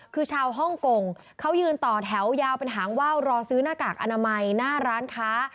คือชาวฮ่องกงเขายืนต่อแถวยาวเป็นหางว่าวรอซื้อหน้ากากอนามัยหน้าร้านค้า